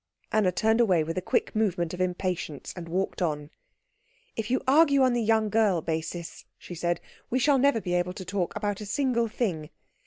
Anna turned away with a quick movement of impatience and walked on. "If you argue on the young girl basis," she said, "we shall never be able to talk about a single thing.